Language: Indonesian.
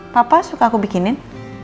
papa suka aku bikinin